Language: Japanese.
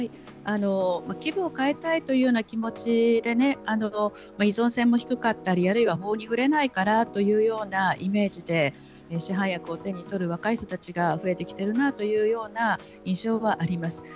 気分を変えたいという気持ちで依存性も低かったりあるいは法に触れないからというようなイメージで市販薬を手に取る若い人たちが増えてきているなというような印象はあります。